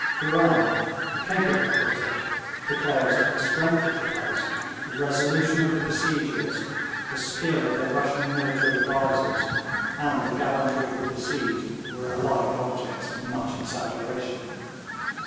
Durand, a capable critic, declares that the strength of the place, the resolution of the besiegers, the skill of their Russian military advisers, and the gallantry of the besieged, were alike objects of much exaggeration.